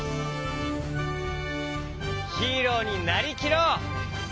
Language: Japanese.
ヒーローになりきろう！